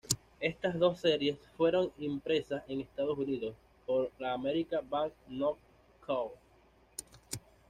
Estas dos series fueron impresas en Estados Unidos por la American Bank Note Co.